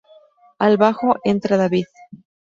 Al bajo entra David.